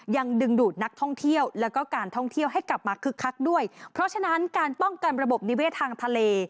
ยังดึงดูดนักท่องเที่ยวแล้วก็การท่องเที่ยวให้กลับมาคึกคักด้วยเพราะฉะนั้นการป้องกันระบบนิเวศทางทะเล